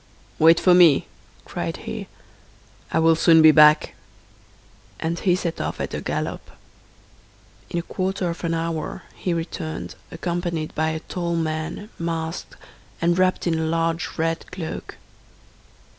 "Wait for me," cried he, "I will soon be back," and he set off at a gallop. In a quarter of an hour he returned, accompanied by a tall man, masked, and wrapped in a large red cloak.